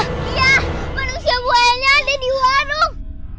iya manusia buayanya ada di waduk